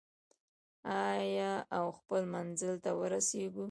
آیا او خپل منزل ته ورسیږو؟